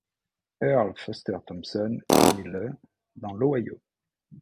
Earl Foster Thomson est né le dans l'Ohio.